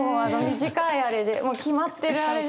短いあれでもう決まってるあれで。